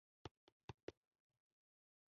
آیا د سره کرم ځوښا د ښودونکي په توګه استعمالیدای شي؟